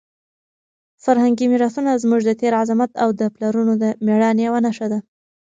فرهنګي میراثونه زموږ د تېر عظمت او د پلرونو د مېړانې یوه نښه ده.